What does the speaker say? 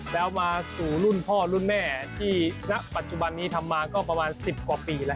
แล้วมาสู่รุ่นพ่อรุ่นแม่ที่ณปัจจุบันนี้ทำมาก็ประมาณ๑๐กว่าปีแล้ว